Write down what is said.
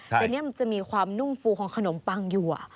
แต่นี่มันจะมีความนุ่มฟูของขนมปังอยู่